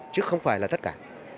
chứ không phải là tất cả